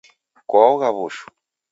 Kwaogha w'ushu?